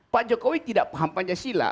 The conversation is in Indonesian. pak jokowi tidak paham pancasila